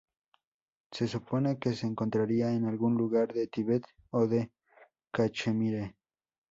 Se supone que se encontraría en algún lugar de Tíbet o de Cachemira.